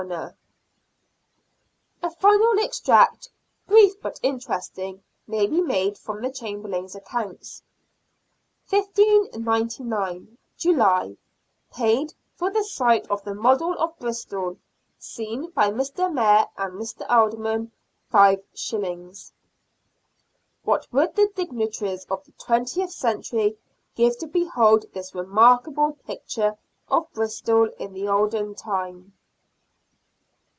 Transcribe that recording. AN INTERESTING EXTRACT. 123 A final extract, brief but interesting, may be made from the Chamberlain's accounts :— 1599, July. Paid for the sight of the model of Bristol, seen by Mr, Mayor and Aldermen, 5s. What would the dignitaries of the twentieth century give to behold this remarkable picture of Bristol in the olden time